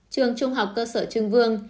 trường trung học cơ sở trưng vương